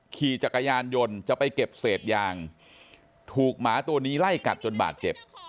ขี่จักรยานยนต์จะไปเก็บเศษยางถูกหมาตัวนี้ไล่กัดจนบาดเจ็บ